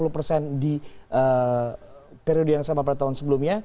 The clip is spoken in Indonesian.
lima puluh persen di periode yang sama pada tahun sebelumnya